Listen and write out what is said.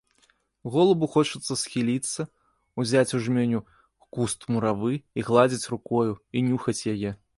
Голубу хочацца схіліцца, узяць у жменю куст муравы і гладзіць рукою, і нюхаць яе.